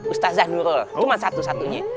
ustaz zah nurul cuma satu satunya